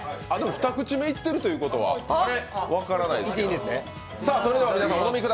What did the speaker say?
２口目いってるということは、分からないですよ。